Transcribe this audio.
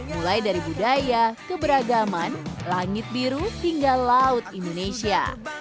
mulai dari budaya keberagaman langit biru hingga laut indonesia